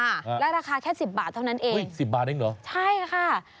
แล้วราคาแค่สิบบาทเท่านั้นเองอุ้ยสิบบาทเองเหรอใช่ค่ะ